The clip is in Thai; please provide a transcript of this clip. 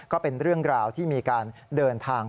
ก็เป็นเรื่องราวที่มีการเดินทาง